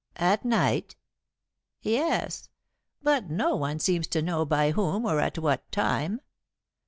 "At night?" "Yes; but no one seems to know by whom or at what time.